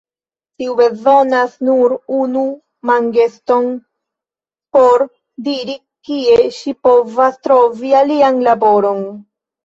Tiu bezonas nur unu mangeston por diri, kie ŝi povas trovi alian laboron.